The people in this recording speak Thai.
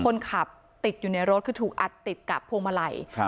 คนขับติดอยู่ในรถคือถูกอัดติดกับพวงมาลัยครับ